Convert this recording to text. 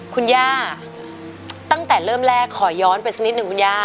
คุณย่าตั้งแต่เริ่มแรกขอย้อนไปสักนิดหนึ่งคุณย่า